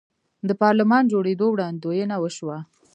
د پارلمان جوړیدل وړاندوینه وشوه.